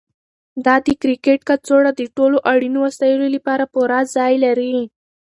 دا د کرکټ کڅوړه د ټولو اړینو وسایلو لپاره پوره ځای لري.